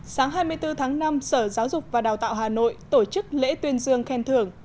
sáng hai mươi bốn tháng năm sở giáo dục và đào tạo hà nội tổ chức lễ tuyên dương khen thưởng